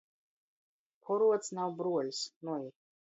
Poruods nav bruoļs, nui.